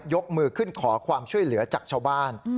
ยกมือขึ้นขอความช่วยเหลือจากชาวบ้าน